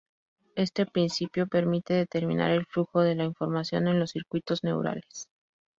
Este principio permite determinar el flujo de la información en los circuitos neurales.